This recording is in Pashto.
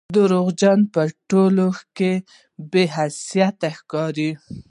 درواغجن په ټولنه کښي بې حيثيته ښکاري